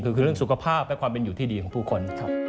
คือเรื่องสุขภาพและความเป็นอยู่ที่ดีของผู้คนครับ